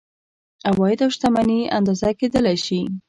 عواید او شتمني اندازه کیدلی شي.